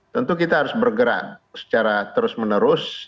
tentu kita harus bergerak secara terus menerus